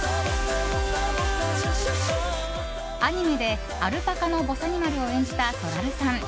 アニメでアルパカのぼさにまるを演じた、そらるさん。